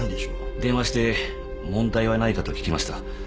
電話して問題はないかと聞きました。